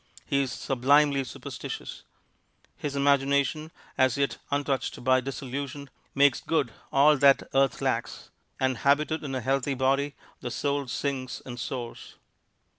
He is sublimely superstitious. His imagination, as yet untouched by disillusion, makes good all that earth lacks, and habited in a healthy body the soul sings and soars.